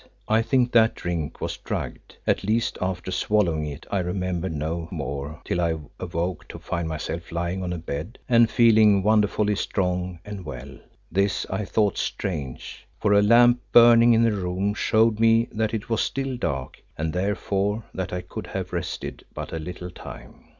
I think that drink was drugged, at least after swallowing it I remembered no more till I awoke to find myself lying on a bed and feeling wonderfully strong and well. This I thought strange, for a lamp burning in the room showed me that it was still dark, and therefore that I could have rested but a little time.